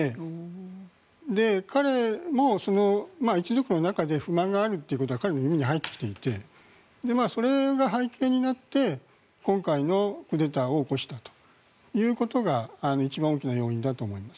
彼も、一族の中で不満があるということも彼の耳に入ってきていてそれが背景になって今回のクーデターを起こしたということが一番大きな要因だと思います。